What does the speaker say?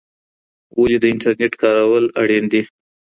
ولي د انټرنیټ کارول اړین دي؟